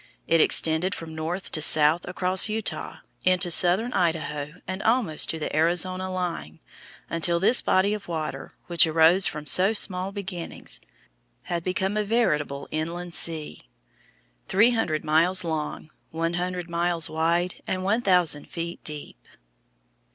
It extended from north to south across Utah, into southern Idaho and almost to the Arizona line, until this body of water, which arose from so small beginnings, had become a veritable inland sea, three hundred miles long, one hundred miles wide, and one thousand feet deep.